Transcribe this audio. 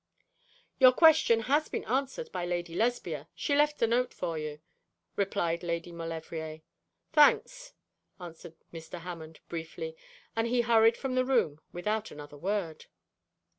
'Your question has been answered by Lady Lesbia. She left a note for you,' replied Lady Maulevrier. 'Thanks,' answered Mr. Hammond, briefly, and he hurried from the room without another word.